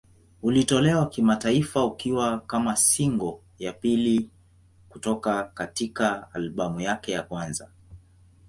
Ulitolewa kimataifa ukiwa kama single ya pili kutoka katika albamu yake ya kwanza.